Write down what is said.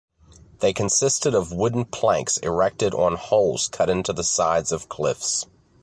They consisted of wooden planks erected on holes cut into the sides of cliffs.